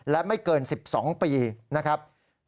และไม่เกิน๑๒ปีนะครับ